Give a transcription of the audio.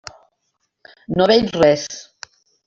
No veig res.